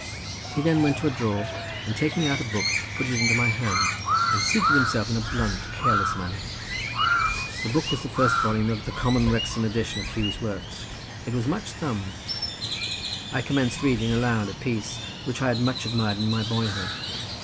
He then went to a drawer, and taking out a book, put it into my hand, and seated himself in a blunt, careless manner. The book was the first volume of the common Wrexham edition of Huw's works; it was much thumbed—I commenced reading aloud a piece which I had much admired in my boyhood.